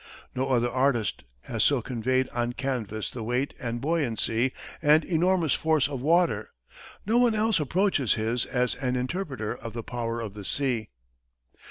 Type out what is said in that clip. No other artist has so conveyed on canvas the weight and buoyancy and enormous force of water; no one else approaches his as an interpreter of the power of the sea.